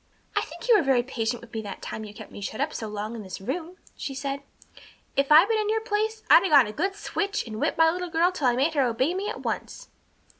"I think you were very patient with me that time you kept me shut up so long in this room," she said. "If I'd been in your place I'd have got a good switch and whipped my little girl till I made her obey me at once."